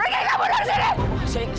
pergi kamu dari sini